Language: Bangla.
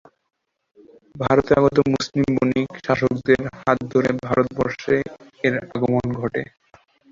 ভারতে আগত মুসলিম বণিক, শাসকদের হাত ধরে ভারতবর্ষে এর আগমন ঘটে।